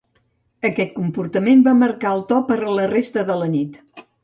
Aquest comportament va marcar el to per a la resta de la nit.